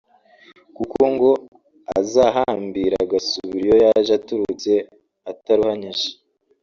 kuko ngo azahambira agasubira iyo yaje aturutse ataruhanyije